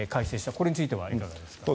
これについてはいかがですか。